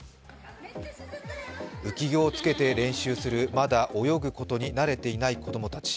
浮き具を着けて練習するまだ泳ぐことに慣れていない子供たち。